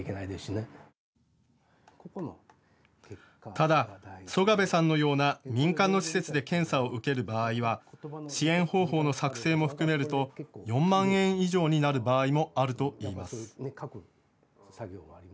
ただ、曽我部さんのような民間の施設で検査を受ける場合は支援方法の作成も含めると４万円以上になる場合もあるといいます。